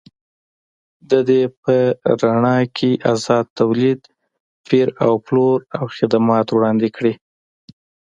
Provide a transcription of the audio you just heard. د دې په رڼا کې ازاد تولید، پېر او پلور او خدمات وړاندې کړي.